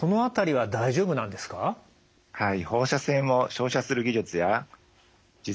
はい。